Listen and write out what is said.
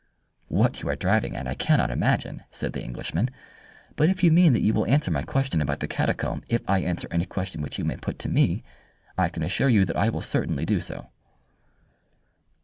"What you are driving at I cannot imagine," said the Englishman, "but if you mean that you will answer my question about the catacomb if I answer any question which you may put to me, I can assure you that I will certainly do so."